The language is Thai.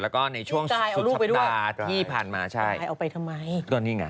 แล้วก็พิษกาชัยนะฮะก็ได้เข้าพบตำรวจแล้วก็ในช่วงสุดสัปดาห์ที่ผ่านมา